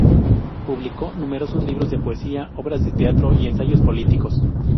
Publicó numerosos libros de poesía, obras de teatro y ensayos políticos.